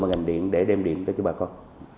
và ngành điện để đem điện cho bà con